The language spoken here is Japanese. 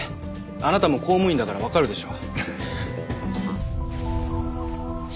あなたも公務員だからわかるでしょ。